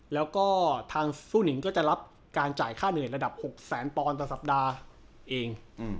แล้วก็ทางสู้นิงก็จะรับการจ่ายค่าเหนื่อยระดับ๖แสนปอนด์ต่อสัปดาห์เอง